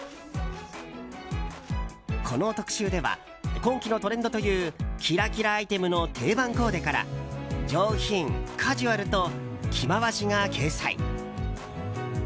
この特集では今季のトレンドというキラキラアイテムの定番コーデから上品、カジュアルと着回しが掲載。